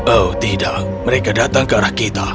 oh tidak mereka datang ke arah kita